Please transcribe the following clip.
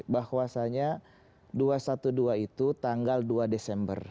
bahwasannya dua ratus dua belas itu tanggal dua desember